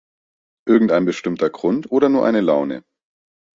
Irgendein bestimmter Grund, oder nur eine Laune?